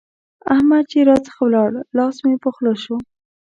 احمد چې راڅخه ولاړ؛ لاس مې په خوله شو.